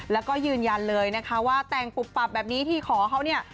แล้วก็ยืนยันเลยนะคะว่าแต่งปุบปับแบบนี้ที่ขอเขาเนี่ย